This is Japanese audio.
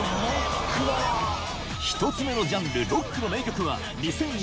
１つ目のジャンルロックの名曲は『熱唱！